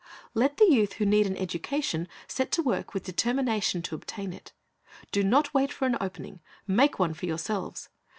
Let the youth who need an education set to work with a determination to obtain it. Do not wait for an opening; make one for yourselves.